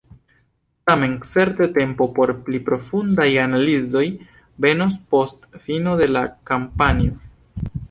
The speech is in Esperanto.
Tamen certe tempo por pli profundaj analizoj venos post fino de la kampanjo.